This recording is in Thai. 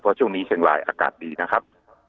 เพราะช่วงนี้เชียงรายอากาศดีนะครับ